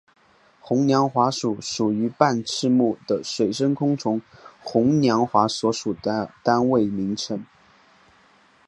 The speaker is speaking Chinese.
红娘华属属于半翅目的水生昆虫红娘华所属的单位名称。